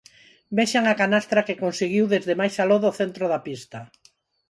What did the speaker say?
Vexan a canastra que conseguiu desde máis aló do centro da pista.